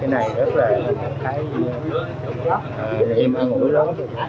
cái này rất là cảm thấy em ăn uống lớn